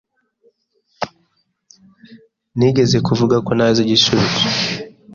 Nigeze kuvuga ko ntazi igisubizo.